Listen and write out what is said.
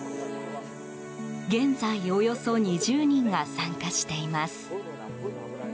現在、およそ２０人が参加しています。